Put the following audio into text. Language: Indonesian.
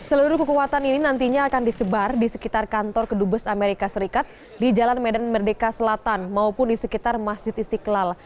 seluruh kekuatan ini nantinya akan disebar di sekitar kantor kedubes amerika serikat di jalan medan merdeka selatan maupun di sekitar masjid istiqlal